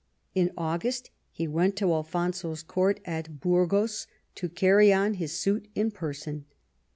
In August he went to Alfonso's court at Burgos to carry on his suit in person.